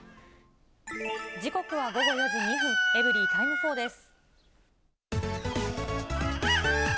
時刻は午後４時２分、エブリィタイム４です。